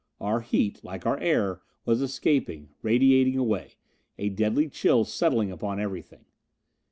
Our heat, like our air, was escaping, radiating away, a deadly chill settling upon everything.